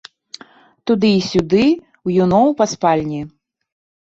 Туды і сюды ўюном па спальні.